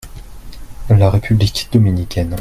la République dominicaine.